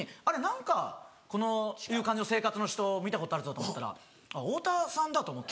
何かこういう感じの生活の人見たことあるぞと思ったら太田さんだと思って。